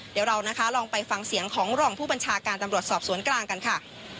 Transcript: เดี๋ยวเรานะคะลองไปฟังเสียงของรองผู้บัญชาการตำรวจสอบสวนกลางกันค่ะ